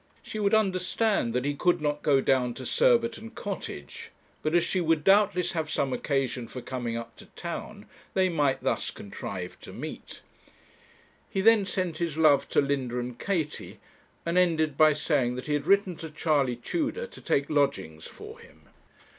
She would understand that he could not go down to Surbiton Cottage; but as she would doubtless have some occasion for coming up to town, they might thus contrive to meet. He then sent his love to Linda and Katie, and ended by saying that he had written to Charley Tudor to take lodgings for him.